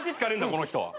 この人は。